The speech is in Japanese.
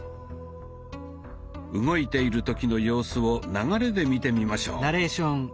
動いている時の様子を流れで見てみましょう。